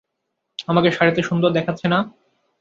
আমাকে শাড়িতে সুন্দর দেখাচ্ছে না?